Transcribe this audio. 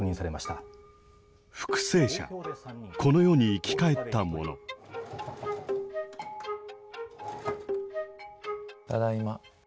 ただいま。